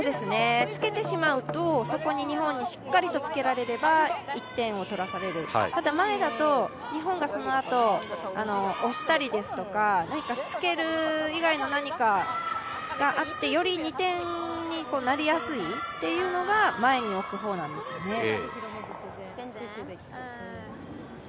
つけてしまうと、そこに日本にしっかりとつけられれば１点を取らされる、ただ前だと日本がそのあと押したりですとか、何かつける以外の何かがあってより２点になりやすいというのが前に置く方なんですよね。